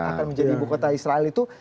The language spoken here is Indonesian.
akan menjadi ibu kota israel itu